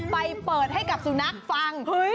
ไปเปิดให้กับสุนัขฟัง